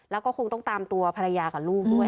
แล้วก็คงต้องตามตัวภรรยากับลูกด้วย